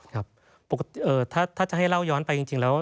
ครับปกติถ้าจะให้เล่าย้อนไปจริงแล้ว